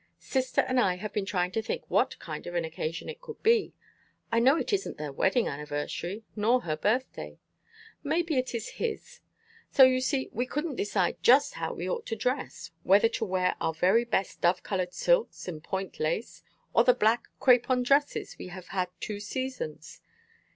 Sister and I have been trying to think what kind of an occasion it could be. I know it isn't their wedding anniversary, nor her birthday. Maybe it is his. So you see we couldn't decide just how we ought to dress whether to wear our very best dove colored silks and point lace, or the black crepon dresses we have had two seasons.